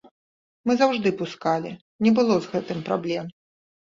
Мы заўжды пускалі, не было з гэтым праблем.